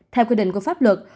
theo quy định của pháp luật